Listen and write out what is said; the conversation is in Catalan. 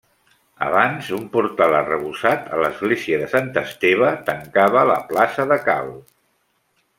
Abans un portal arrebossat a l'església de Sant Esteve tancava la plaça de Cal.